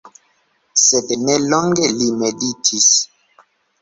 Sed ne longe li meditis.